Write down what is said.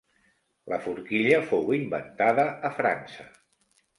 La forquilla fou inventada a França.